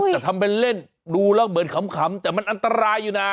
แต่ทำเป็นเล่นดูแล้วเหมือนขำแต่มันอันตรายอยู่นะ